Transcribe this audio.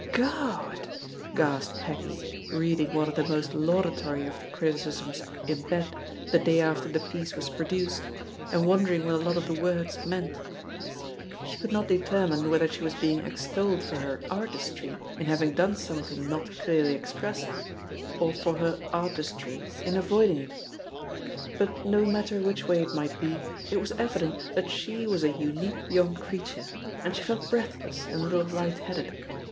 "Gawd I" gasped Peggy, reading one of the most laudatory of the criticisms in bed the day after the piece was produced, and wondering what a lot of the words meant. She could not 266 866 THE POSITION OF PEGGY HARPER determine whether she was being extolled for her "artistry" in having done something not clearly expressed, or for her "artistry'' in avoiding it; but no matter which way it might be, it was evi dent that she was a unique young creature, and she felt breathless and a little light headed.